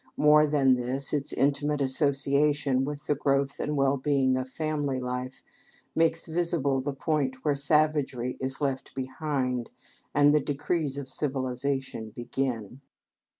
More than this, its intimate association with the growth and well being of family life makes visible the point where savagery is left behind and the decrees of civilization begin.